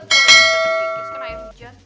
kisahkan air hujan